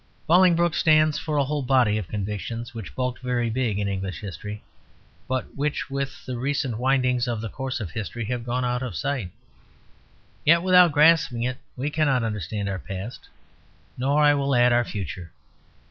Bolingbroke stands for a whole body of conviction which bulked very big in English history, but which with the recent winding of the course of history has gone out of sight. Yet without grasping it we cannot understand our past, nor, I will add, our future.